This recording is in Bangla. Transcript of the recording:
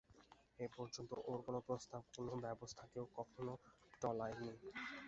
এ পর্যন্ত ওর কোনো প্রস্তাব কোনো ব্যবস্থা কেউ কখনো টলায় নি।